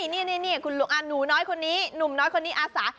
นี่คุณลุงหนูน้อยคนนี้หนุ่มน้อยคนนี้อาสา